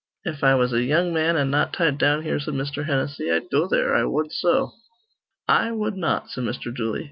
"If I was a young man an' not tied down here," said Mr. Hennessy, "I'd go there: I wud so." "I wud not," said Mr. Dooley.